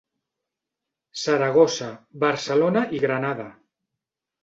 Saragossa, Barcelona i Granada.